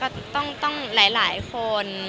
ต้องหลายคน